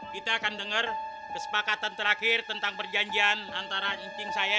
kita akan dengar kesepakatan terakhir tentang perjanjian antara incing saya